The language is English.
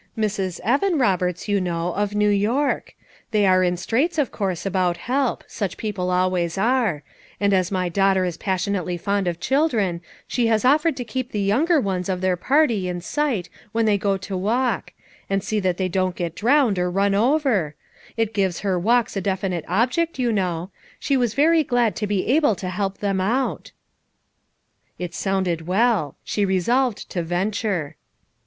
Mrs. Evan Roberts, you know, of New York. They are in straits of course about help — such people always are — and as my daughter is passionately fond of children she has offered to keep the younger ones of their party in sight when they go to walk; and see that they don't get drowned, or run over; it gives her walks a definite object, you know; she was very glad to be able to help them out." It sounded well; she resolved to venture.